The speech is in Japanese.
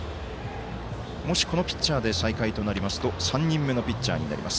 もしこのピッチャーで再開となりますと３人目のピッチャーとなります。